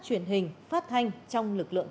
truyền hình phát thanh trong lực lượng